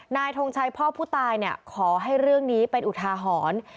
ทงชัยพ่อผู้ตายขอให้เรื่องนี้เป็นอุทาหรณ์